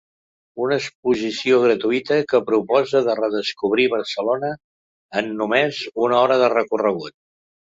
Una exposició gratuïta que proposa de redescobrir Barcelona en només una hora de recorregut.